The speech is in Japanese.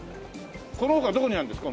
この他どこにあるんですか？